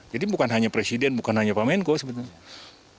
jadi bukan hanya presiden bukan hanya pemenko sebetulnya